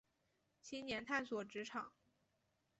青年探索职场